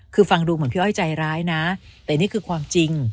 คือฟังดูเหมือนพี่อ้อยใจร้ายนะแต่นี่คือความจริง